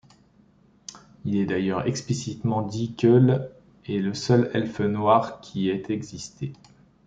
Il est d'ailleurs explicitement dit qu'Eöl est le seul elfe noir qui ait existé.